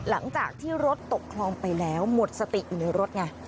หลังจากที่รถตกคลองไปแล้วหมดสติอยู่ในรถไง